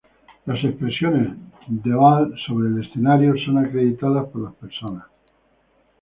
Las expresiones de Vai sobre el escenario son acreditadas por las personas.